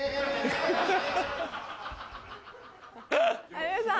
有吉さん